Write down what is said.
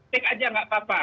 tik aja nggak apa apa